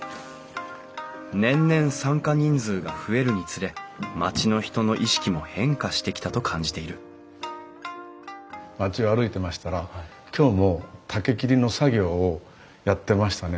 年々参加人数が増えるにつれ町の人の意識も変化してきたと感じている町を歩いてましたら今日も竹切りの作業をやってましたね。